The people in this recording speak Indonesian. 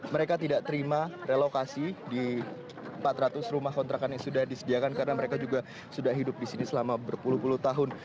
mereka tidak terima relokasi di empat ratus rumah kontrakan yang sudah disediakan karena mereka juga sudah hidup di sini selama berpuluh puluh tahun